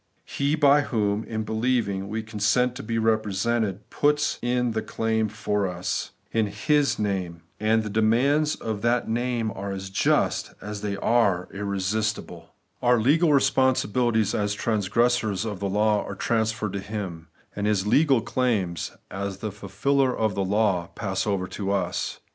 He by whom, in believing, we consent to be represented, puts in the claim for us, in His name ; and the de mands of that name are as just as they are irresistible. The Righteousness of God reckoned to us. 101 Our legal responsibilities as transgressors of the law are transferred to Him ; and His legal claims, as the fulfiller of the law, pass over to us.